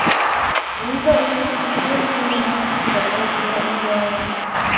Ул да үҙенең «Сәй күле» менән хушлашырға килгән икән.